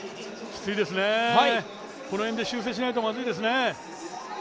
きついですね、この辺で修正しないとまずいですね。